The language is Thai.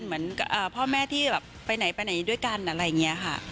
เหมือนพ่อแม่ที่แบบไปไหนไปไหนด้วยกันอะไรอย่างนี้ค่ะ